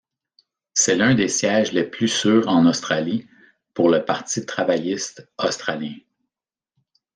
C'est l'un des sièges les plus sûrs en Australie pour le Parti travailliste australien.